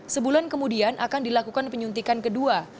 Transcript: sebulan kemudian akan dilakukan penyuntikan kedua